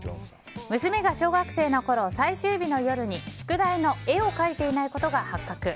娘が小学生のころ、最終日の夜に宿題の絵を描いていないことが発覚。